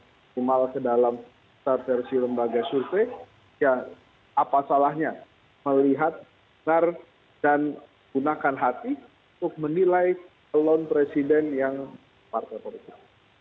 kalau itu kalau kita melihatnya kita bisa melihatnya dengan benar dan gunakan hati untuk menilai calon presiden yang partai politik